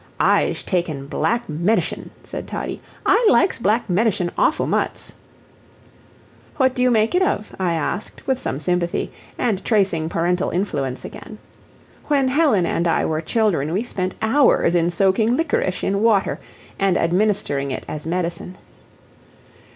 "Ize takin' black medshin," said Toddie; "I likes black medshin awfoo muts." "What do you make it of?" I asked, with some sympathy, and tracing parental influence again. When Helen and I were children we spent hours in soaking liquorice in water and administering it as medicine.